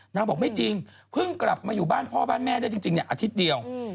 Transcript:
บอกไม่จริงเพิ่งกลับมาอยู่บ้านพ่อบ้านแม่ได้จริงอาทิตย์เดียว